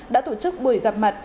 đã tổ chức buổi gặp mặt